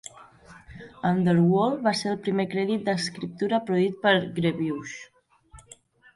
Underworld va ser el primer crèdit d'escriptura produït per Grevioux.